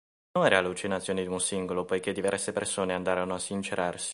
Non era allucinazione di un singolo poiché diverse persone andarono a sincerarsi.